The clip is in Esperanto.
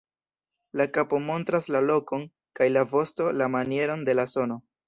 La kapo montras la lokon kaj la vosto la manieron de la sono.